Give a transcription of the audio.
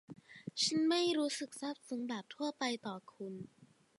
ฉันไม่ได้รู้สึกซาบซึ้งแบบทั่วไปต่อคุณ